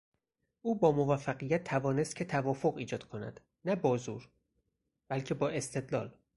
او با موفقیت توانست که توافق ایجاد کند نه با زور بلکه با استدلال.